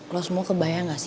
kalau semua kebayang gak sih